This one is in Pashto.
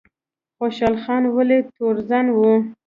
خوشحال خان ولې تورزن و؟